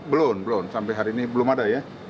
belum belum sampai hari ini belum ada ya